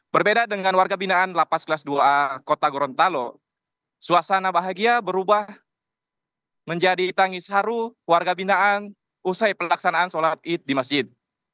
berbeda dengan warga binaan lapas kelas dua a kota gorontalo suasana bahagia berubah menjadi tangis haru warga binaan usai pelaksanaan sholat id di masjid